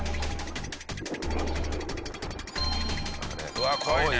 うわっ怖いね。